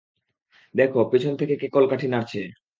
দেখো, পেছন থেকে কে কলকাঠি নাড়ছে?